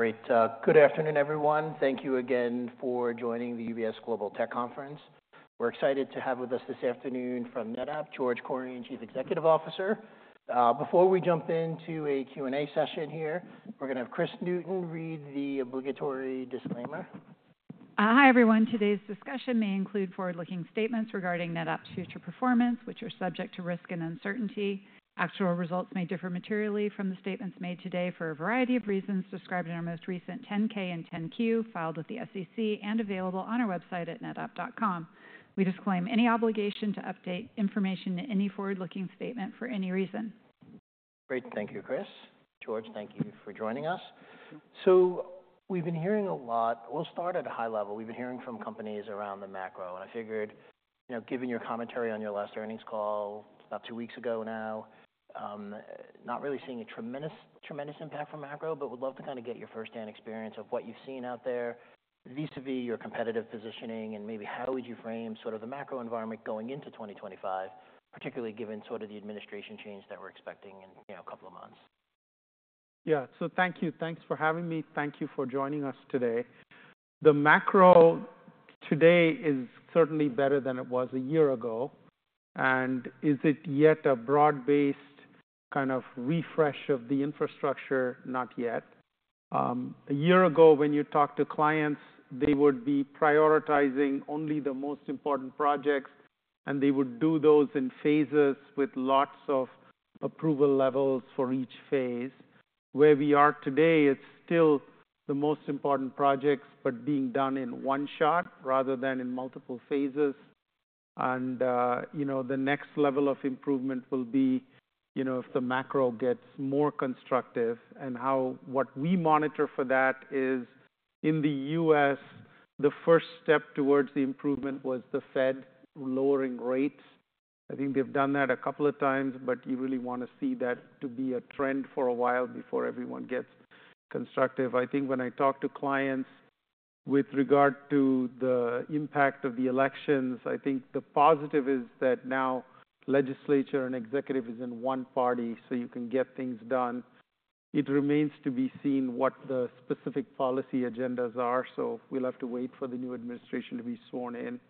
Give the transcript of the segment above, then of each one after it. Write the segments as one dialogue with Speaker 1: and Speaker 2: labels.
Speaker 1: Great. Good afternoon, everyone. Thank you again for joining the UBS Global Tech Conference. We're excited to have with us this afternoon from NetApp, George Kurian, Chief Executive Officer. Before we jump into a Q&A session here, we're going to have Kris Newton read the obligatory disclaimer.
Speaker 2: Hi, everyone. Today's discussion may include forward-looking statements regarding NetApp's future performance, which are subject to risk and uncertainty. Actual results may differ materially from the statements made today for a variety of reasons described in our most recent 10-K and 10-Q filed with the SEC and available on our website at netapp.com. We disclaim any obligation to update information in any forward-looking statement for any reason. Great. Thank you, Kris. George, thank you for joining us. So we've been hearing a lot. We'll start at a high level. We've been hearing from companies around the macro. And I figured, you know, given your commentary on your last earnings call about two weeks ago now, not really seeing a tremendous, tremendous impact from macro, but would love to kind of get your firsthand experience of what you've seen out there, vis-à-vis your competitive positioning, and maybe how would you frame sort of the macro environment going into 2025, particularly given sort of the administration change that we're expecting in, you know, a couple of months.
Speaker 3: Yeah. So thank you. Thanks for having me. Thank you for joining us today. The macro today is certainly better than it was a year ago. And is it yet a broad-based kind of refresh of the infrastructure? Not yet. A year ago, when you talk to clients, they would be prioritizing only the most important projects, and they would do those in phases with lots of approval levels for each phase. Where we are today, it's still the most important projects, but being done in one shot rather than in multiple phases. And, you know, the next level of improvement will be, you know, if the macro gets more constructive. And how what we monitor for that is, in the U.S., the first step towards the improvement was the Fed lowering rates. I think they've done that a couple of times, but you really want to see that to be a trend for a while before everyone gets constructive. I think when I talk to clients with regard to the impact of the elections, I think the positive is that now legislature and executive is in one party, so you can get things done. It remains to be seen what the specific policy agendas are, so we'll have to wait for the new administration to be sworn in.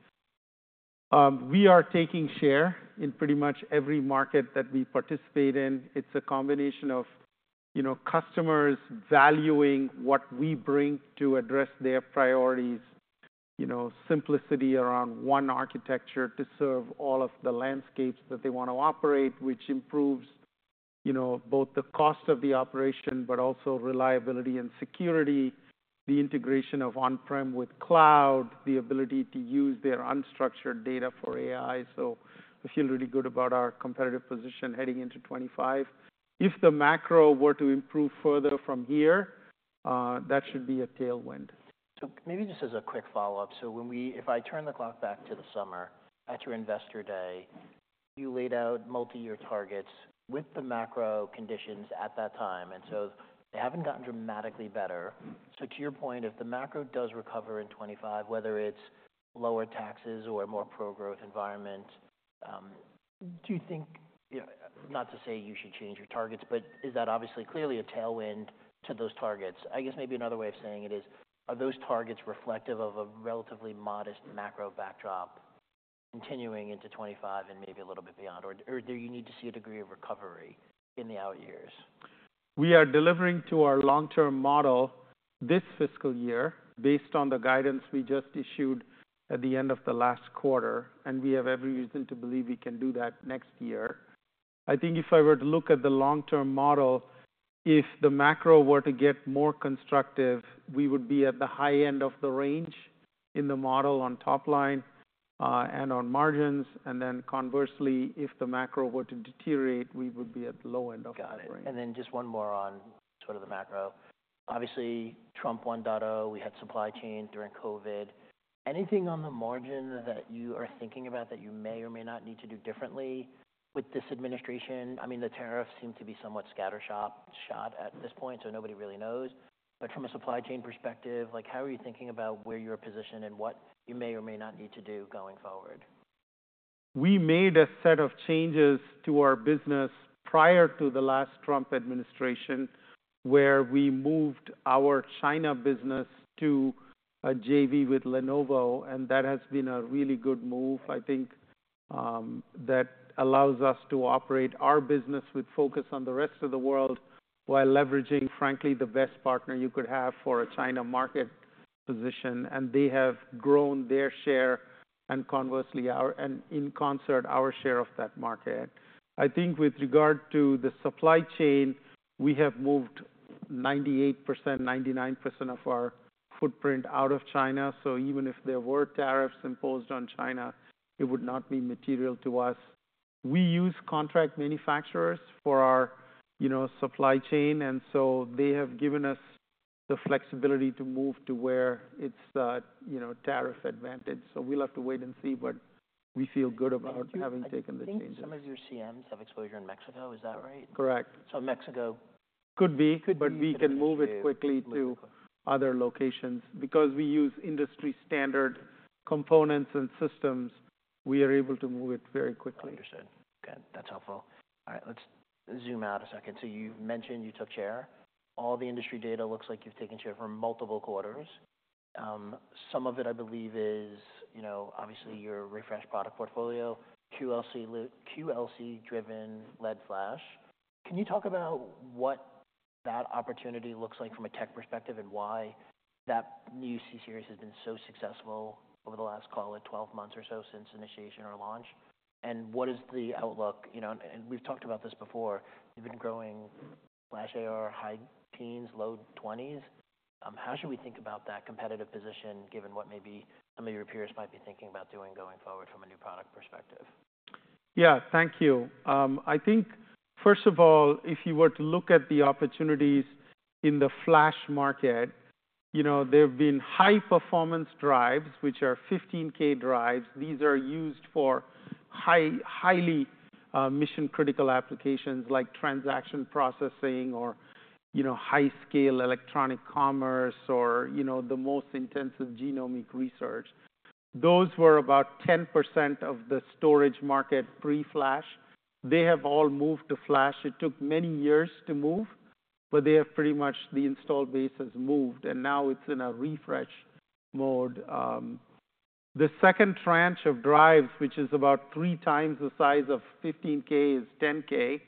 Speaker 3: We are taking share in pretty much every market that we participate in. It's a combination of, you know, customers valuing what we bring to address their priorities, you know, simplicity around one architecture to serve all of the landscapes that they want to operate, which improves, you know, both the cost of the operation, but also reliability and security, the integration of on-prem with cloud, the ability to use their unstructured data for AI. So I feel really good about our competitive position heading into 2025. If the macro were to improve further from here, that should be a tailwind. So maybe just as a quick follow-up, so when, if I turn the clock back to the summer at your investor day, you laid out multi-year targets with the macro conditions at that time. And so they haven't gotten dramatically better. So to your point, if the macro does recover in 2025, whether it's lower taxes or a more pro-growth environment, do you think, you know, not to say you should change your targets, but is that obviously clearly a tailwind to those targets? I guess maybe another way of saying it is, are those targets reflective of a relatively modest macro backdrop continuing into 2025 and maybe a little bit beyond? Or do you need to see a degree of recovery in the out years? We are delivering to our long-term model this fiscal year based on the guidance we just issued at the end of the last quarter, and we have every reason to believe we can do that next year. I think if I were to look at the long-term model, if the macro were to get more constructive, we would be at the high end of the range in the model on top line, and on margins. And then conversely, if the macro were to deteriorate, we would be at the low end of the range. Got it. And then just one more on sort of the macro. Obviously, Trump 1.0, we had supply chain during COVID. Anything on the margin that you are thinking about that you may or may not need to do differently with this administration? I mean, the tariffs seem to be somewhat scattershot at this point, so nobody really knows. But from a supply chain perspective, like, how are you thinking about where you're positioned and what you may or may not need to do going forward? We made a set of changes to our business prior to the last Trump administration where we moved our China business to a JV with Lenovo, and that has been a really good move. I think, that allows us to operate our business with focus on the rest of the world while leveraging, frankly, the best partner you could have for a China market position. And they have grown their share and conversely our and in concert our share of that market. I think with regard to the supply chain, we have moved 98%-99% of our footprint out of China. So even if there were tariffs imposed on China, it would not be material to us. We use contract manufacturers for our, you know, supply chain, and so they have given us the flexibility to move to where it's, you know, tariff advantage. We'll have to wait and see, but we feel good about having taken the changes. Some of your CMs have exposure in Mexico. Is that right? Correct. So Mexico. Could be. Could be. But we can move it quickly to other locations. Because we use industry-standard components and systems, we are able to move it very quickly. Understood. Okay. That's helpful. All right. Let's zoom out a second. So you mentioned you took share. All the industry data looks like you've taken share for multiple quarters. Some of it, I believe, is, you know, obviously your refreshed product portfolio, QLC-driven all-flash. Can you talk about what that opportunity looks like from a tech perspective and why that new C-Series has been so successful over the last, call it, 12 months or so since initiation or launch? And what is the outlook? You know, and we've talked about this before. You've been growing flash AR, high teens, low 20s. How should we think about that competitive position given what maybe some of your peers might be thinking about doing going forward from a new product perspective? Yeah. Thank you. I think, first of all, if you were to look at the opportunities in the flash market, you know, there've been high-performance drives, which are 15K drives. These are used for highly mission-critical applications like transaction processing or, you know, high-scale electronic commerce or, you know, the most intensive genomic research. Those were about 10% of the storage market pre-flash. They have all moved to flash. It took many years to move, but they have pretty much the installed base has moved, and now it's in a refresh mode. The second tranche of drives, which is about three times the size of 15K, is 10K.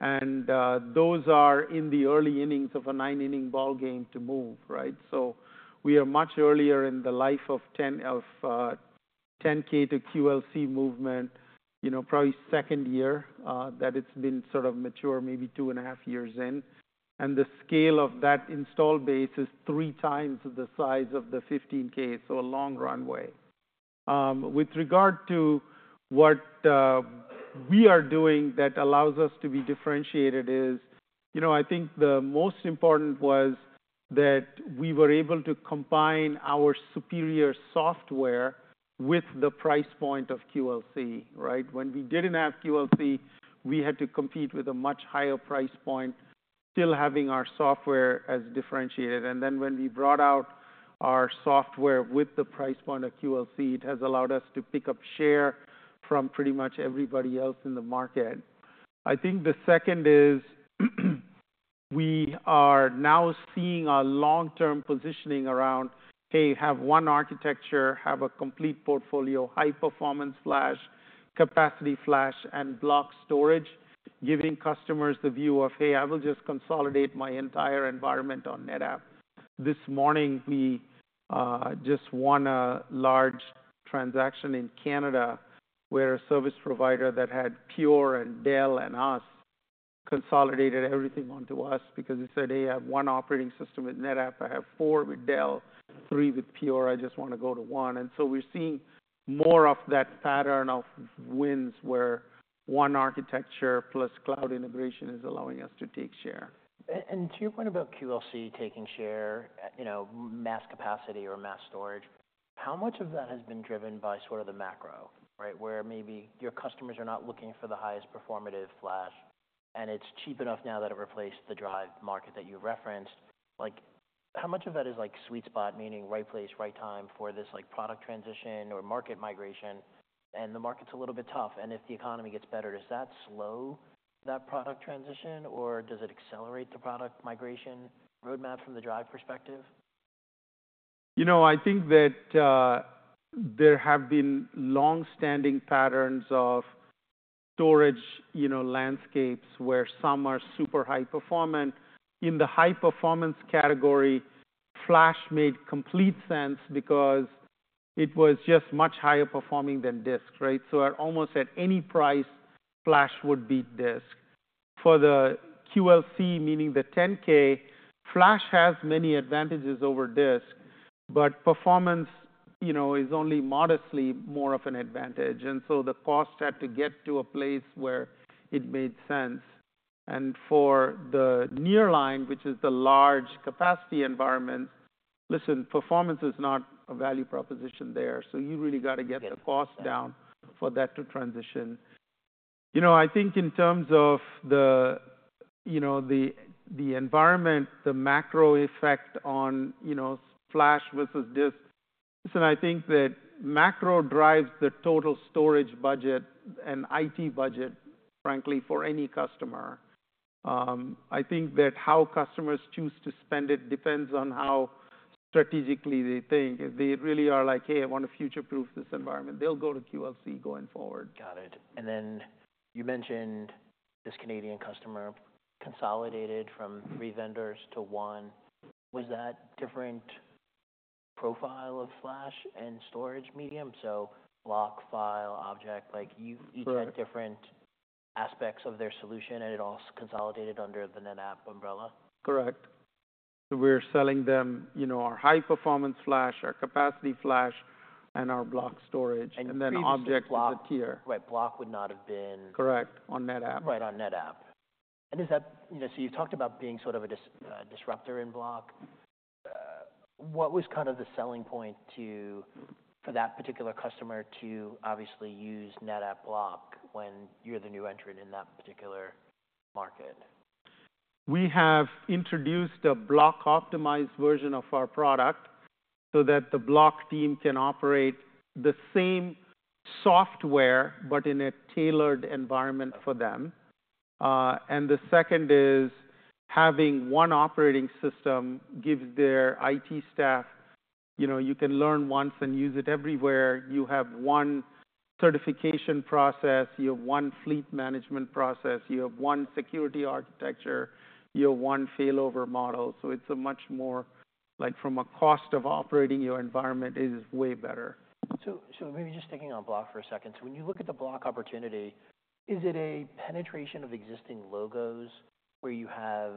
Speaker 3: And those are in the early innings of a nine-inning ball game to move, right? So we are much earlier in the life of the 10K to QLC movement, you know, probably second year that it's been sort of mature, maybe two and a half years in. And the scale of that installed base is three times the size of the 15K, so a long runway. With regard to what we are doing that allows us to be differentiated is, you know, I think the most important was that we were able to combine our superior software with the price point of QLC, right? When we didn't have QLC, we had to compete with a much higher price point, still having our software as differentiated. And then when we brought out our software with the price point of QLC, it has allowed us to pick up share from pretty much everybody else in the market. I think the second is we are now seeing a long-term positioning around, hey, have one architecture, have a complete portfolio, high-performance flash, capacity flash, and block storage, giving customers the view of, hey, I will just consolidate my entire environment on NetApp. This morning, we just won a large transaction in Canada where a service provider that had Pure and Dell and us consolidated everything onto us because they said, hey, I have one operating system with NetApp, I have four with Dell, three with Pure, I just want to go to one. And so we're seeing more of that pattern of wins where one architecture plus cloud integration is allowing us to take share. And to your point about QLC taking share, you know, mass capacity or mass storage, how much of that has been driven by sort of the macro, right, where maybe your customers are not looking for the highest performance flash and it's cheap enough now that it replaced the drive market that you referenced? Like, how much of that is like sweet spot, meaning right place, right time for this like product transition or market migration? And the market's a little bit tough. And if the economy gets better, does that slow that product transition, or does it accelerate the product migration roadmap from the drive perspective? You know, I think that there have been long-standing patterns of storage, you know, landscapes where some are super high-performant. In the high-performance category, flash made complete sense because it was just much higher performing than disk, right? So at almost any price, flash would beat disk. For the QLC, meaning the 10K, flash has many advantages over disk, but performance, you know, is only modestly more of an advantage. And so the cost had to get to a place where it made sense. And for the nearline, which is the large capacity environments, listen, performance is not a value proposition there. So you really got to get the cost down for that to transition. You know, I think in terms of the, you know, the environment, the macro effect on, you know, flash versus disk, listen, I think that macro drives the total storage budget and IT budget, frankly, for any customer. I think that how customers choose to spend it depends on how strategically they think. If they really are like, hey, I want to future-proof this environment, they'll go to QLC going forward. Got it. And then you mentioned this Canadian customer consolidated from three vendors to one. Was that different profile of flash and storage medium? So block, file, object, like you had different aspects of their solution and it all consolidated under the NetApp umbrella? Correct. So we're selling them, you know, our high-performance flash, our capacity flash, and our block storage. And then object is a tier. Right. Block would not have been. Correct. On NetApp. Right. On NetApp. And is that, you know, so you've talked about being sort of a disruptor in block. What was kind of the selling point for that particular customer to obviously use NetApp block when you're the new entrant in that particular market? We have introduced a block-optimized version of our product so that the block team can operate the same software, but in a tailored environment for them. And the second is having one operating system gives their IT staff, you know, you can learn once and use it everywhere. You have one certification process, you have one fleet management process, you have one security architecture, you have one failover model. So it's a much more, like, from a cost of operating your environment is way better. So maybe just sticking on block for a second. So when you look at the block opportunity, is it a penetration of existing logos where you have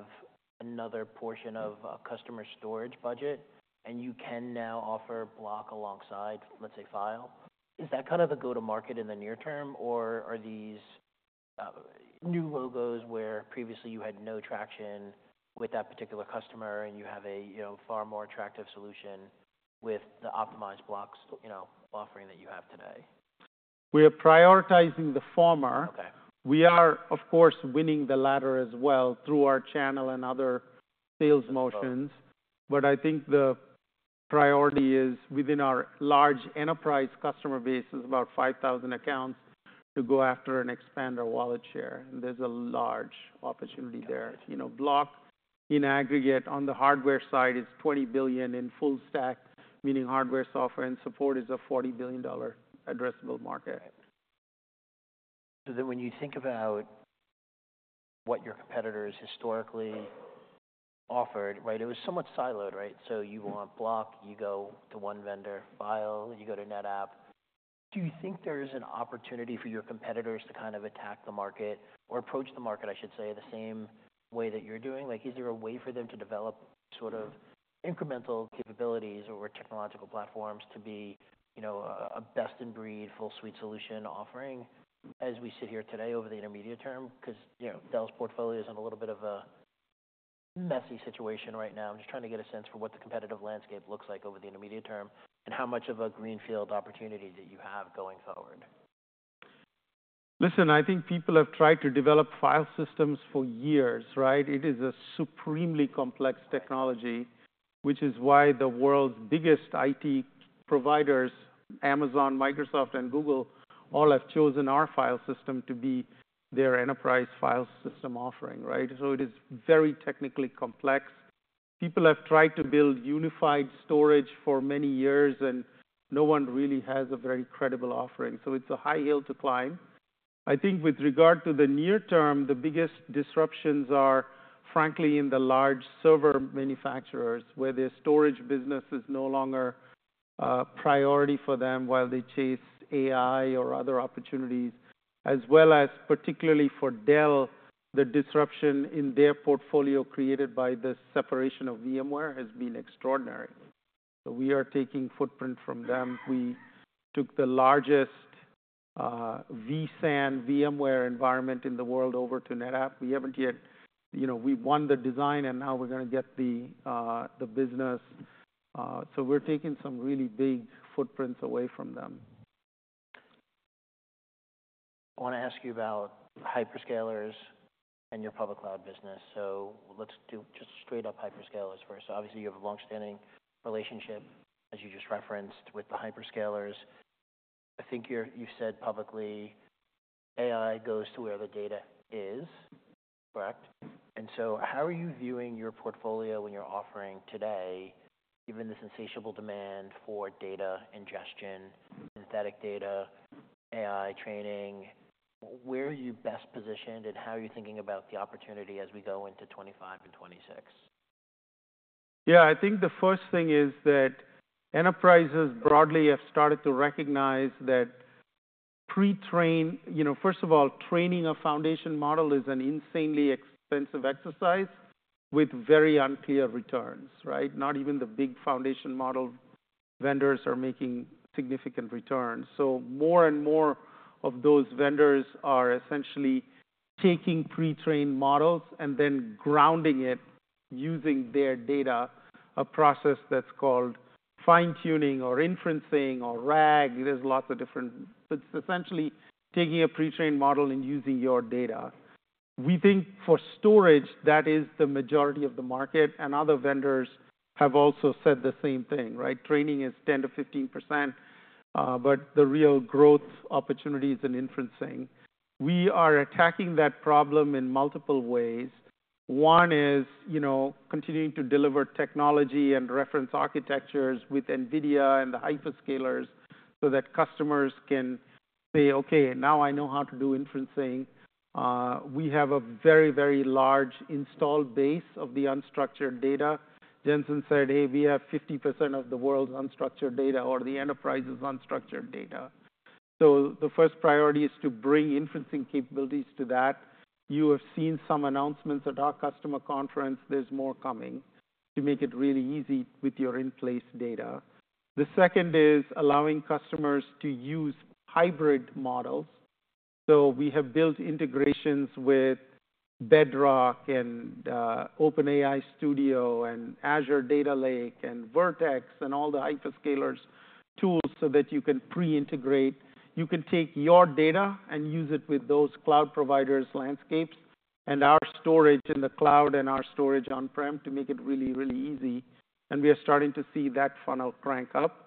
Speaker 3: another portion of a customer storage budget and you can now offer block alongside, let's say, file? Is that kind of the go-to-market in the near term, or are these new logos where previously you had no traction with that particular customer and you have a you know far more attractive solution with the optimized blocks you know offering that you have today? We are prioritizing the former. Okay. We are, of course, winning the latter as well through our channel and other sales motions. But I think the priority within our large enterprise customer base is about 5,000 accounts to go after and expand our wallet share, and there's a large opportunity there. You know, block in aggregate on the hardware side is $20 billion in full stack, meaning hardware, software, and support, is a $40 billion addressable market. So then when you think about what your competitors historically offered, right, it was somewhat siloed, right? So you want block, you go to one vendor, file, you go to NetApp. Do you think there is an opportunity for your competitors to kind of attack the market or approach the market, I should say, the same way that you're doing? Like, is there a way for them to develop sort of incremental capabilities or technological platforms to be, you know, a best-in-breed, full-suite solution offering as we sit here today over the intermediate term? Because, you know, Dell's portfolio is in a little bit of a messy situation right now. I'm just trying to get a sense for what the competitive landscape looks like over the intermediate term and how much of a greenfield opportunity that you have going forward. Listen, I think people have tried to develop file systems for years, right? It is a supremely complex technology, which is why the world's biggest IT providers, Amazon, Microsoft, and Google, all have chosen our file system to be their enterprise file system offering, right? So it is very technically complex. People have tried to build unified storage for many years, and no one really has a very credible offering. So it's a high hill to climb. I think with regard to the near term, the biggest disruptions are, frankly, in the large server manufacturers where their storage business is no longer a priority for them while they chase AI or other opportunities, as well as particularly for Dell, the disruption in their portfolio created by the separation of VMware has been extraordinary. So we are taking footprint from them. We took the largest VMware vSAN environment in the world over to NetApp. We haven't yet, you know, we won the design, and now we're going to get the business. So we're taking some really big footprints away from them. I want to ask you about hyperscalers and your public cloud business. So let's do just straight-up hyperscalers first. So obviously, you have a long-standing relationship, as you just referenced, with the hyperscalers. I think you've said publicly AI goes to where the data is, correct? And so how are you viewing your portfolio when you're offering today, given this insatiable demand for data ingestion, synthetic data, AI training? Where are you best positioned, and how are you thinking about the opportunity as we go into 2025 and 2026? Yeah. I think the first thing is that enterprises broadly have started to recognize that pre-train, you know, first of all, training a foundation model is an insanely expensive exercise with very unclear returns, right? Not even the big foundation model vendors are making significant returns. So more and more of those vendors are essentially taking pre-trained models and then grounding it using their data, a process that's called fine-tuning or inferencing or RAG. There's lots of different. So it's essentially taking a pre-trained model and using your data. We think for storage, that is the majority of the market, and other vendors have also said the same thing, right? Training is 10%-15%, but the real growth opportunity is in inferencing. We are attacking that problem in multiple ways. One is, you know, continuing to deliver technology and reference architectures with NVIDIA and the hyperscalers so that customers can say, "Okay, now I know how to do inferencing." We have a very, very large installed base of the unstructured data. Jensen said, "Hey, we have 50% of the world's unstructured data or the enterprise's unstructured data." So the first priority is to bring inferencing capabilities to that. You have seen some announcements at our customer conference. There's more coming to make it really easy with your in-place data. The second is allowing customers to use hybrid models. So we have built integrations with Bedrock and OpenAI Studio and Azure Data Lake and Vertex and all the hyperscalers' tools so that you can pre-integrate. You can take your data and use it with those cloud providers' landscapes and our storage in the cloud and our storage on-prem to make it really, really easy. And we are starting to see that funnel crank up.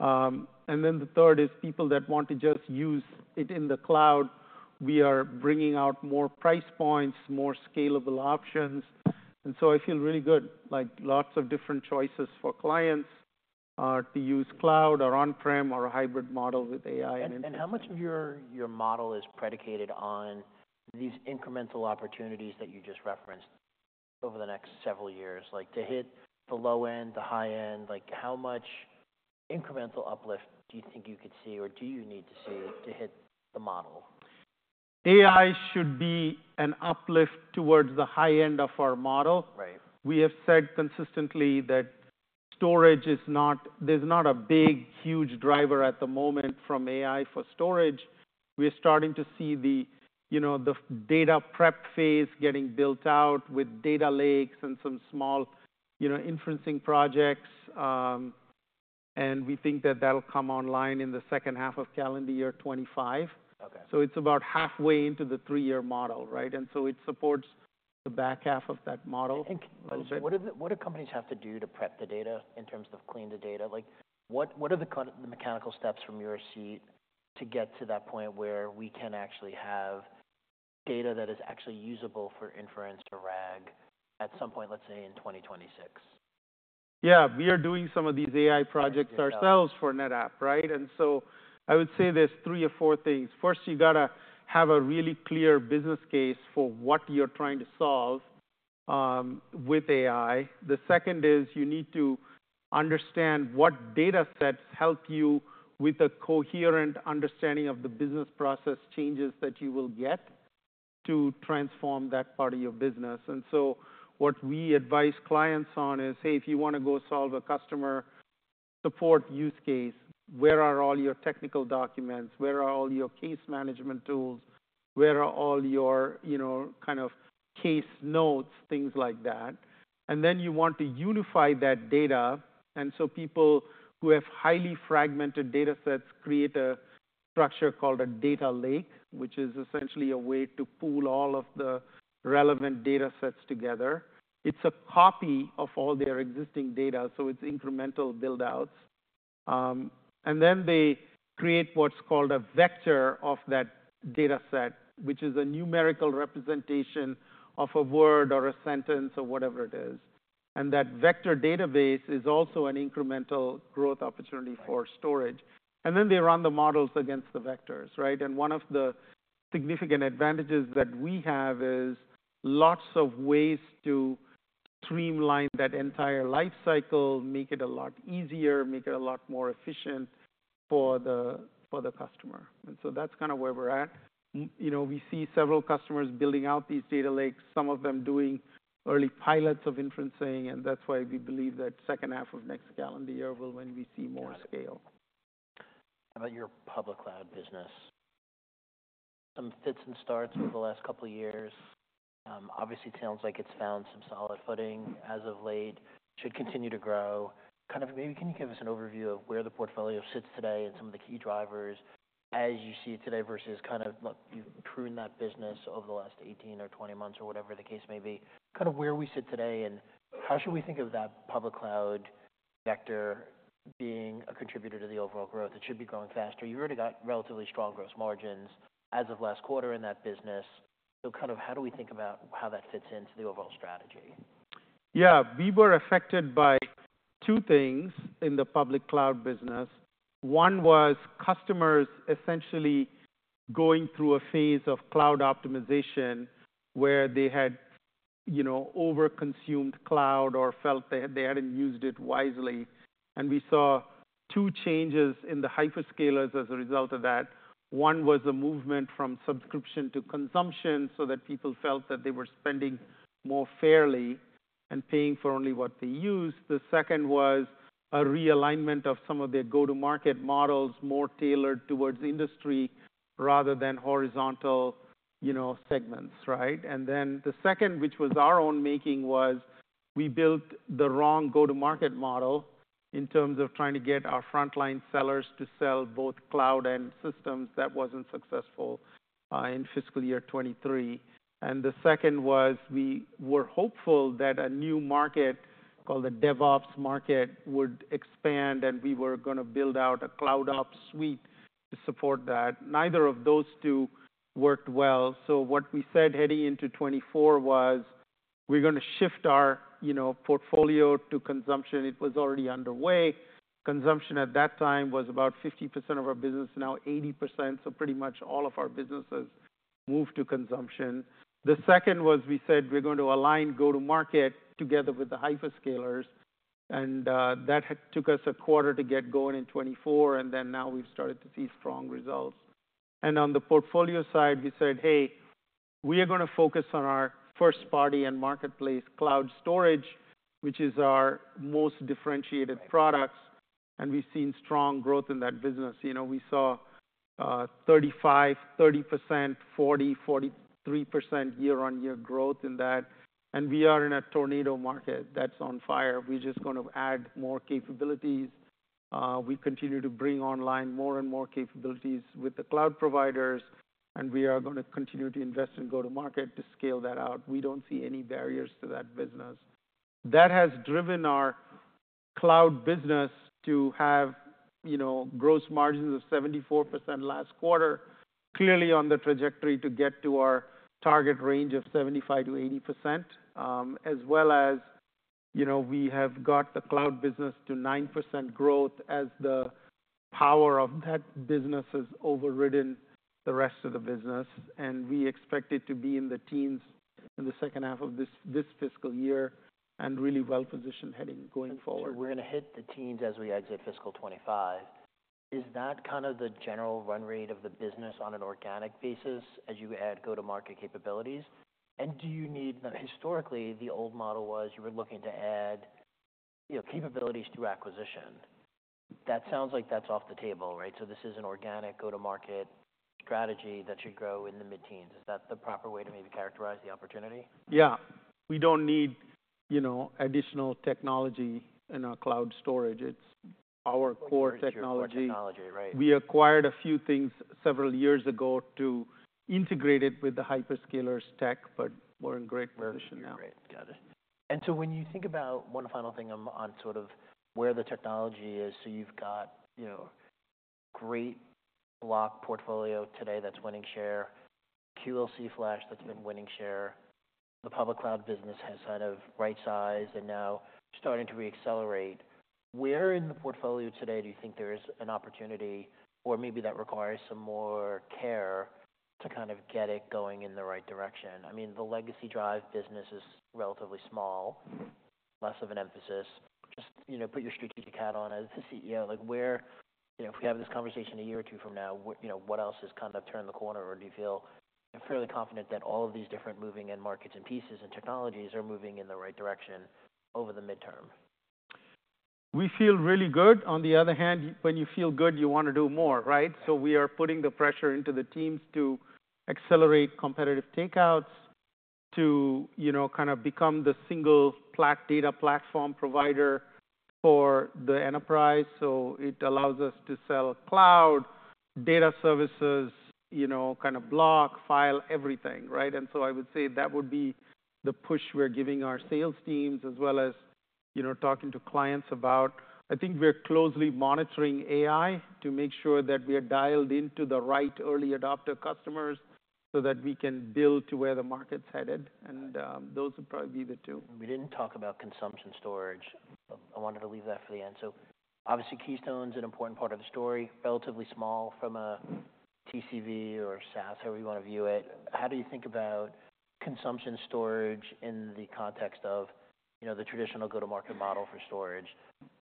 Speaker 3: And then the third is people that want to just use it in the cloud. We are bringing out more price points, more scalable options. And so I feel really good, like lots of different choices for clients, to use cloud or on-prem or a hybrid model with AI and inferencing. And how much of your model is predicated on these incremental opportunities that you just referenced over the next several years, like to hit the low end, the high end? Like how much incremental uplift do you think you could see or do you need to see to hit the model? AI should be an uplift towards the high end of our model. Right. We have said consistently that storage is not, there's not a big, huge driver at the moment from AI for storage. We are starting to see the, you know, the data prep phase getting built out with data lakes and some small, you know, inferencing projects. And we think that that'll come online in the second half of calendar year 2025. Okay. So it's about halfway into the three-year model, right? And so it supports the back half of that model. I think what do the companies have to do to prep the data in terms of clean the data? Like what are the mechanical steps from your seat to get to that point where we can actually have data that is actually usable for inference or RAG at some point, let's say in 2026? Yeah. We are doing some of these AI projects ourselves for NetApp, right? And so I would say there's three or four things. First, you got to have a really clear business case for what you're trying to solve, with AI. The second is you need to understand what data sets help you with a coherent understanding of the business process changes that you will get to transform that part of your business. And so what we advise clients on is, "Hey, if you want to go solve a customer support use case, where are all your technical documents? Where are all your case management tools? Where are all your, you know, kind of case notes, things like that?" And then you want to unify that data. And so people who have highly fragmented data sets create a structure called a data lake, which is essentially a way to pool all of the relevant data sets together. It's a copy of all their existing data, so it's incremental buildouts. And then they create what's called a vector of that data set, which is a numerical representation of a word or a sentence or whatever it is. And that vector database is also an incremental growth opportunity for storage. And then they run the models against the vectors, right? And one of the significant advantages that we have is lots of ways to streamline that entire life cycle, make it a lot easier, make it a lot more efficient for the customer. And so that's kind of where we're at. You know, we see several customers building out these data lakes, some of them doing early pilots of inferencing, and that's why we believe that second half of next calendar year will be when we see more scale. How about your public cloud business? Some fits and starts over the last couple of years. Obviously, it sounds like it's found some solid footing as of late. Should continue to grow. Kind of maybe can you give us an overview of where the portfolio sits today and some of the key drivers as you see it today versus kind of you've pruned that business over the last 18 or 20 months or whatever the case may be. Kind of where we sit today and how should we think of that public cloud vector being a contributor to the overall growth? It should be growing faster. You've already got relatively strong gross margins as of last quarter in that business. So kind of how do we think about how that fits into the overall strategy? Yeah. We were affected by two things in the public cloud business. One was customers essentially going through a phase of cloud optimization where they had, you know, overconsumed cloud or felt that they hadn't used it wisely. And we saw two changes in the hyperscalers as a result of that. One was a movement from subscription to consumption so that people felt that they were spending more fairly and paying for only what they used. The second was a realignment of some of their go-to-market models more tailored towards industry rather than horizontal, you know, segments, right? And then the second, which was our own making, was we built the wrong go-to-market model in terms of trying to get our frontline sellers to sell both cloud and systems. That wasn't successful, in fiscal year 2023. And the second was we were hopeful that a new market called the DevOps market would expand, and we were going to build out a CloudOps suite to support that. Neither of those two worked well. So what we said heading into 2024 was we're going to shift our, you know, portfolio to consumption. It was already underway. Consumption at that time was about 50% of our business, now 80%. So pretty much all of our businesses moved to consumption. The second was we said we're going to align go-to-market together with the hyperscalers. And, that took us a quarter to get going in 2024, and then now we've started to see strong results. And on the portfolio side, we said, "Hey, we are going to focus on our first-party and marketplace cloud storage, which is our most differentiated products." And we've seen strong growth in that business. You know, we saw 35%, 30%, 40%, 43% year-on-year growth in that. We are in a tornado market that's on fire. We're just going to add more capabilities. We continue to bring online more and more capabilities with the cloud providers, and we are going to continue to invest in go-to-market to scale that out. We don't see any barriers to that business. That has driven our cloud business to have, you know, gross margins of 74% last quarter, clearly on the trajectory to get to our target range of 75%-80%, as well as, you know, we have got the cloud business to 9% growth as the power of that business has overridden the rest of the business. We expect it to be in the teens in the second half of this fiscal year and really well-positioned heading going forward. We're going to hit the teens as we exit fiscal 2025. Is that kind of the general run rate of the business on an organic basis as you add go-to-market capabilities? And do you need the historically, the old model was you were looking to add, you know, capabilities through acquisition? That sounds like that's off the table, right? So this is an organic go-to-market strategy that should grow in the mid-teens. Is that the proper way to maybe characterize the opportunity? Yeah. We don't need, you know, additional technology in our cloud storage. It's our core technology. Core technology, right? We acquired a few things several years ago to integrate it with the hyperscalers' tech, but we're in great position now. Great. Got it. And so when you think about one final thing on sort of where the technology is, so you've got, you know, great block portfolio today that's winning share, QLC Flash that's been winning share, the public cloud business has kind of right-sized and now starting to re-accelerate. Where in the portfolio today do you think there is an opportunity or maybe that requires some more care to kind of get it going in the right direction? I mean, the legacy drive business is relatively small, less of an emphasis. Just, you know, put your strategic hat on as the CEO. Like where, you know, if we have this conversation a year or two from now, you know, what else has kind of turned the corner or do you feel fairly confident that all of these different moving end markets and pieces and technologies are moving in the right direction over the midterm? We feel really good. On the other hand, when you feel good, you want to do more, right? So we are putting the pressure into the teams to accelerate competitive takeouts to, you know, kind of become the single data platform provider for the enterprise. So it allows us to sell cloud data services, you know, kind of block, file, everything, right? And so I would say that would be the push we're giving our sales teams as well as, you know, talking to clients about. I think we're closely monitoring AI to make sure that we are dialed into the right early adopter customers so that we can build to where the market's headed. And, those would probably be the two. We didn't talk about consumption storage. I wanted to leave that for the end. So obviously, Keystone's an important part of the story, relatively small from a TCV or SaaS, however you want to view it. How do you think about consumption storage in the context of, you know, the traditional go-to-market model for storage?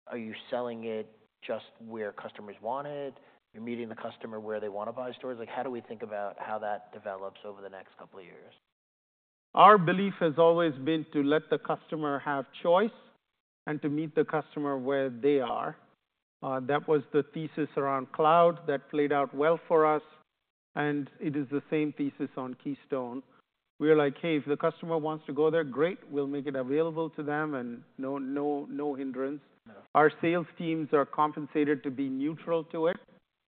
Speaker 3: Are you selling it just where customers want it? You're meeting the customer where they want to buy storage? Like how do we think about how that develops over the next couple of years? Our belief has always been to let the customer have choice and to meet the customer where they are. That was the thesis around cloud that played out well for us. It is the same thesis on Keystone. We're like, "Hey, if the customer wants to go there, great, we'll make it available to them and no hindrance." Our sales teams are compensated to be neutral to it.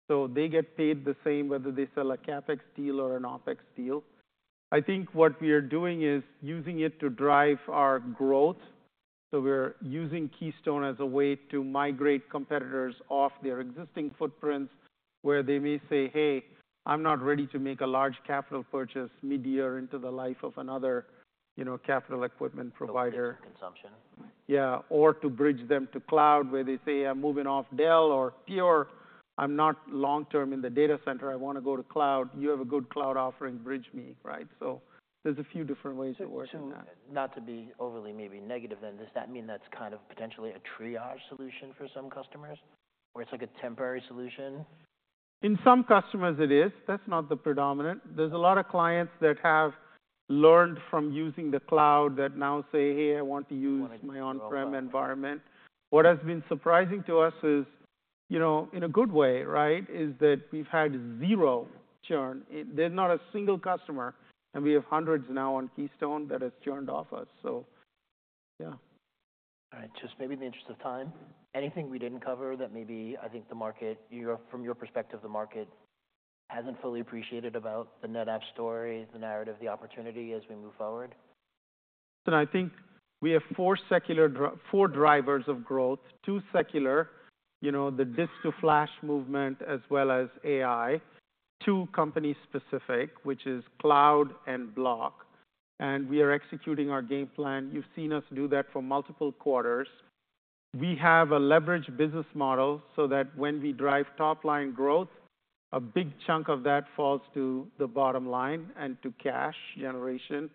Speaker 3: They get paid the same whether they sell a CapEx deal or an OpEx deal. I think what we are doing is using it to drive our growth. We're using Keystone as a way to migrate competitors off their existing footprints where they may say, "Hey, I'm not ready to make a large capital purchase mid-year into the life of another, you know, capital equipment provider. Consumption. Yeah. Or to bridge them to cloud where they say, "I'm moving off Dell or Pure. I'm not long-term in the data center. I want to go to cloud. You have a good cloud offering bridge me," right? So there's a few different ways to work on that. Not to be overly maybe negative then, does that mean that's kind of potentially a triage solution for some customers or it's like a temporary solution? In some customers, it is. That's not the predominant. There's a lot of clients that have learned from using the cloud that now say, "Hey, I want to use my on-prem environment." What has been surprising to us is, you know, in a good way, right, is that we've had zero churn. There's not a single customer, and we have hundreds now on Keystone that has churned off us. So yeah. All right. Just maybe in the interest of time, anything we didn't cover that maybe I think the market, from your perspective, the market hasn't fully appreciated about the NetApp story, the narrative, the opportunity as we move forward? Listen, I think we have four secular drivers of growth, two secular, you know, the disk to flash movement as well as AI, two company-specific, which is cloud and block. We are executing our game plan. You've seen us do that for multiple quarters. We have a leveraged business model so that when we drive top-line growth, a big chunk of that falls to the bottom line and to cash generation.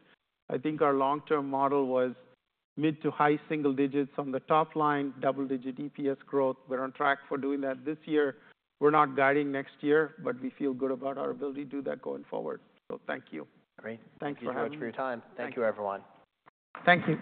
Speaker 3: I think our long-term model was mid to high single digits on the top line, double-digit EPS growth. We're on track for doing that this year. We're not guiding next year, but we feel good about our ability to do that going forward. So thank you. Great. Thank you very much for your time. Thank you, everyone. Thank you.